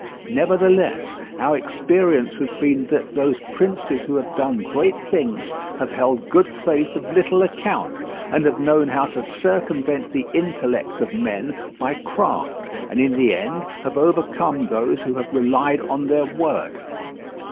Nevertheless our experience has been that those princes who have done great things have held good faith of little account, and have known how to circumvent the intellect of men by craft, and in the end have overcome those who have relied on their word.